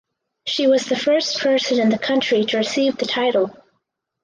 She was the first person in the country to receive the title.